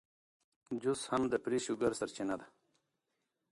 جوس هم د فري شوګر سرچینه ده.